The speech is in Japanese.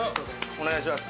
お願いします